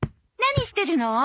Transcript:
何してるの？